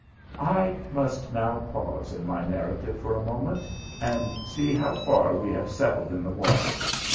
I must now pause in my narrative for a moment, and see how far we have settled in the water.